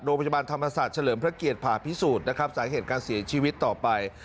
โรงพยาบาลธรรมศาสตร์เฉลิมพระเกียรติผ่าพิสูจน์นะครับสาเหตุการเสียชีวิตต่อไป